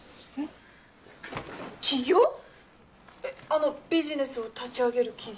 えっあのビジネスを立ち上げる起業？